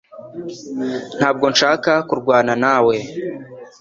Ntabwo nshaka kurwana nawe.